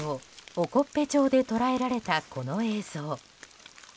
興部町で捉えられたこの映像。